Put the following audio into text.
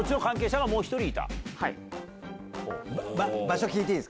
はい。